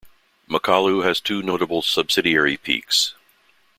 Makalu has two notable subsidiary peaks.